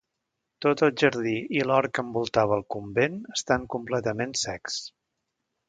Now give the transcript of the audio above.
Tot el jardí i l'hort que envoltava el convent estan completament secs.